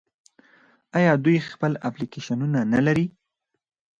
آیا دوی خپل اپلیکیشنونه نلري؟